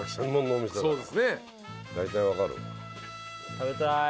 食べたい。